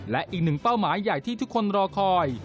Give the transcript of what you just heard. และอีกหนึ่งเป้าหมายใหญ่ที่ทุกคนรอคอย